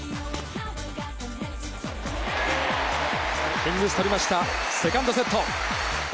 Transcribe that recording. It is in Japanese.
ヒンギス取りましたセカンドセット。